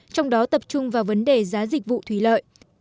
trong đó tập trung vào vấn đề giá dịch vụ thủy lợi